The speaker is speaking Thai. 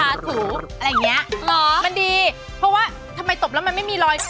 อะไรอย่างนี้มันดีเพราะว่าทำไมตบแล้วมันไม่มีรอย